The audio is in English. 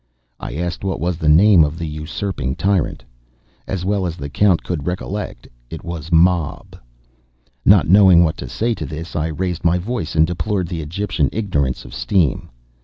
I asked what was the name of the usurping tyrant. As well as the Count could recollect, it was Mob. Not knowing what to say to this, I raised my voice, and deplored the Egyptian ignorance of steam.